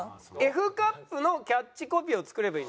Ｆカップのキャッチコピーを作ればいい。